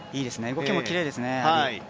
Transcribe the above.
動きもきれいですね。